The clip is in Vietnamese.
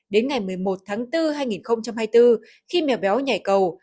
đến ngày một mươi một tháng bốn hai nghìn hai mươi bốn khi mèo béo nhảy cầu